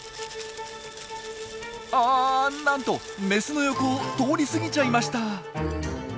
ああなんとメスの横を通り過ぎちゃいました。